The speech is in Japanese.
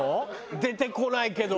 出てこないけど。